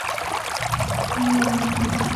弗莱维。